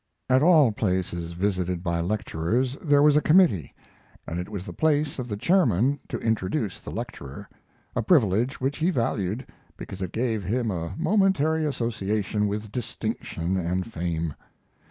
At all places visited by lecturers there was a committee, and it was the place of the chairman to introduce the lecturer, a privilege which he valued, because it gave him a momentary association with distinction and fame.